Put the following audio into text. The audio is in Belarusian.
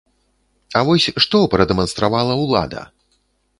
А вось што прадэманстравала ўлада?